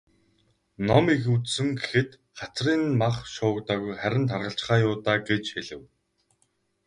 "Ном их үзсэн гэхэд хацрын нь мах шуугдаагүй, харин таргалчихаа юу даа" гэж хэлэв.